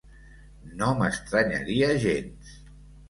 No m'estranyaria gens.